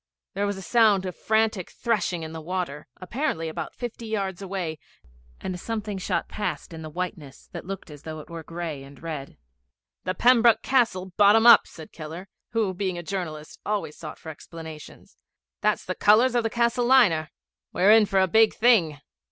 There was a sound of frantic threshing in the water, apparently about fifty yards away, and something shot past in the whiteness that looked as though it were gray and red. 'The Pembroke Castle bottom up,' said Keller, who, being a journalist, always sought for explanations. 'That's the colours of a Castle liner. We're in for a big thing.'